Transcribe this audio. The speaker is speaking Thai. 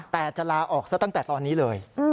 แต่จะลาออกซะตั้งแต่ตอนนี้เลย